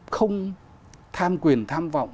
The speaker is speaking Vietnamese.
không tham quyền tham vọng